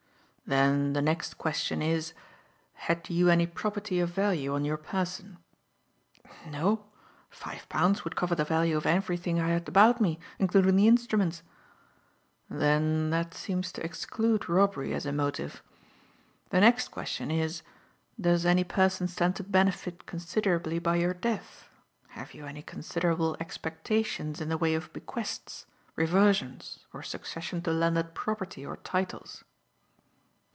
"Then the next question is: Had you any property of value on your person?" "No. Five pounds would cover the value of everything I had about me, including the instruments." "Then that seems to exclude robbery as a motive. The next question is: Does any person stand to benefit considerably by your death? Have you any considerable expectations in the way of bequests, reversions or succession to landed property or titles?"